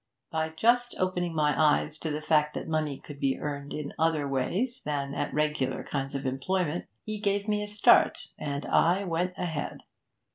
By just opening my eyes to the fact that money could be earned in other ways than at the regular kinds of employment, he gave me a start, and I went ahead.